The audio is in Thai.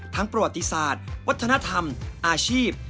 ประวัติศาสตร์วัฒนธรรมอาชีพ